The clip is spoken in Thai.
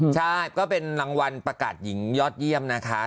ใช่ก็เป็นรางวัลประกาศหญิงยอดเยี่ยมนะคะ